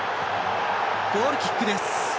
ゴールキックです。